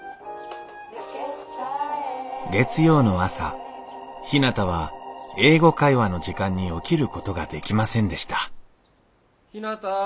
月曜の朝ひなたは「英語会話」の時間に起きることができませんでした・ひなた。